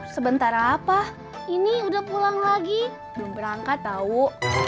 sebentar apa ini udah pulang lagi berangkat tahu